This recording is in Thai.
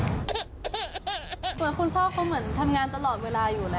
เหมือนคุณพ่อเขาเหมือนทำงานตลอดเวลาอยู่แล้ว